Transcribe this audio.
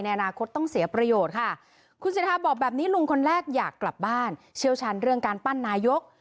อนาคตต้องเสียประโยชน์ค่ะคุณสิทธาบอกแบบนี้ลุงคนแรกอยากกลับบ้านเชี่ยวชาญเรื่องการปั้นนายก